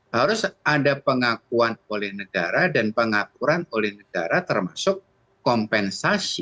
harus ada pengakuan oleh negara dan pengaturan oleh negara termasuk kompensasi